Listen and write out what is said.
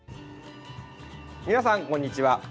皆さん、こんにちは。